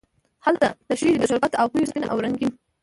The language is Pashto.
هلته تشیږې د شربت او پېو سپین او رنګین،